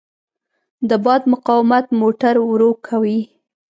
د باد مقاومت موټر ورو کوي.